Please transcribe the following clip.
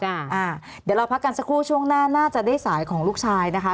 เดี๋ยวเราพักกันสักครู่ช่วงหน้าน่าจะได้สายของลูกชายนะคะ